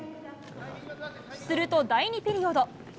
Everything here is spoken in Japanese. すると第２ピリオド。